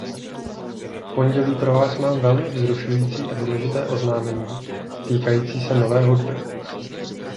V pondělí pro vás mám velmi vzrušující a důležité oznámení týkající se nové hudby.